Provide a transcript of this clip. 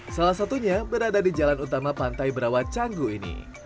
salah satunya berada di jalan utama pantai berawat canggu ini